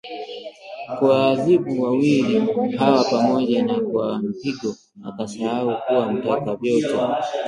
kuwaadhibu wawili hawa pamoja na kwa mpigo, akasahau kuwa mtaka vyote